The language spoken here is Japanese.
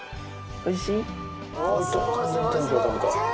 おいしい？